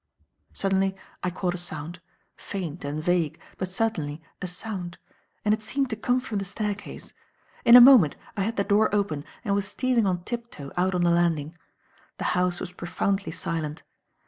Suddenly I caught a sound faint and vague, but certainly a sound. And it seemed to come from the staircase. In a moment I had the door open and was stealing on tip toe out on the landing. The house was profoundly silent.